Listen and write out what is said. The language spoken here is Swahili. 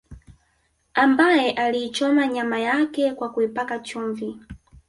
Ambaye aliichoma nyama yake kwa kuipaka chumvi